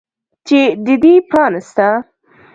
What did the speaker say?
چې د دې پرانستنه